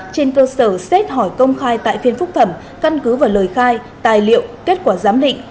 trên cơ sở xét hỏi công khai tại phiên phúc thẩm căn cứ vào lời khai tài liệu kết quả giám định